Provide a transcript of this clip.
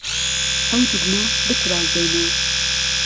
ئهو دوگمه بترازێنه